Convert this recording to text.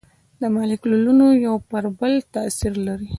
مالیکولونه یو پر بل تاثیر لري.